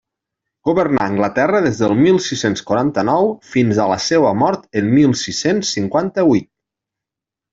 Governà Anglaterra des de mil sis-cents quaranta-nou fins a la seua mort en mil sis-cents cinquanta-huit.